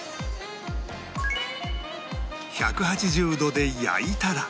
１８０度で焼いたら